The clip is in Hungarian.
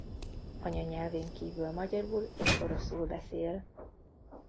Anyanyelvén kívül magyarul és oroszul beszél.